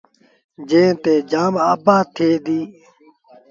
جݩهݩ تي جآم آبآديٚ ٿئي ديٚ۔